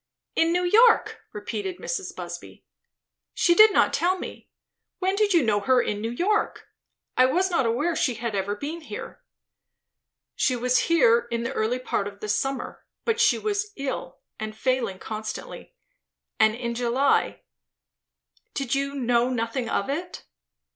"In New York!" repeated Mrs. Busby. "She did not tell me When did you know her in New York? I was not aware she had ever been here." "She was here the early part of this summer. But she was very ill, and failing constantly; and in July did you know nothing of it?